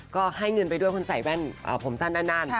ก็ให้เงินไปด้วยคนใส่แว่นผมสั้นนั่น